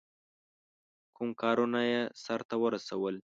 کوم کارونه یې سرته ورسول.